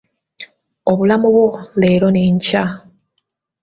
Obulamu bwo leero n'enkya.